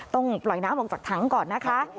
ต้องปล่อยน้ำออกจากถังก่อนนะคะ